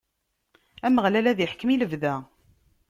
Ameɣlal ad iḥkem i lebda.